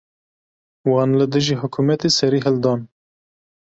Wan li dijî hikûmetê serî hildan.